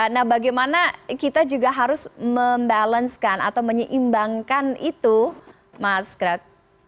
nah bagaimana kita juga harus membalanskan atau menyeimbangkan itu mas greg